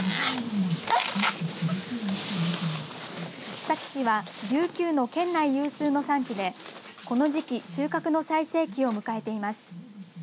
須崎市はリュウキュウの県内有数の産地でこの時期収穫の最盛期を迎えています。